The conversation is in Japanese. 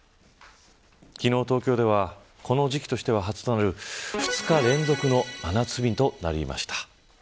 昨日、東京ではこの時期としては初となる２日連続の真夏日となりました。